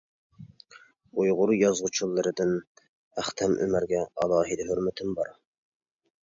ئۇيغۇر يازغۇچىلىرىدىن ئەختەم ئۆمەرگە ئالاھىدە ھۆرمىتىم بار.